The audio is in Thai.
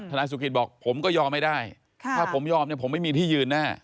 นายสุกิตบอกผมก็ยอมไม่ได้ถ้าผมยอมเนี่ยผมไม่มีที่ยืนแน่